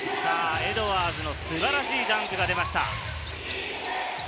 エドワーズの素晴らしいダンクが出ました。